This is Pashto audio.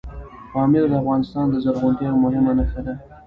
پامیر د افغانستان د زرغونتیا یوه مهمه نښه ده.